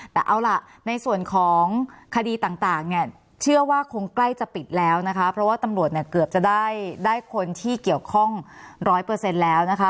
แต่เอาล่ะในส่วนของคดีต่างเนี่ยเชื่อว่าคงใกล้จะปิดแล้วนะคะเพราะว่าตำรวจเนี่ยเกือบจะได้คนที่เกี่ยวข้องร้อยเปอร์เซ็นต์แล้วนะคะ